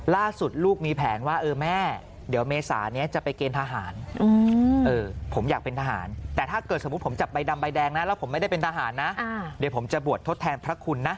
ล่าสุดลูกมีแผงว่าเออแม่เดี๋ยวเมษานี้จะไปเกณฑ์ทหาร